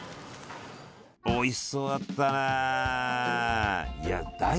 おいしそうだったね。